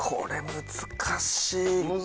難しい？